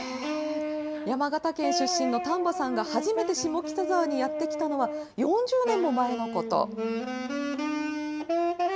山形県出身の丹波さんが初めて下北沢にやって来たのは、４０年も前のこと。